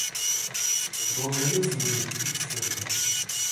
Белогвардейца найдете – и к стенке.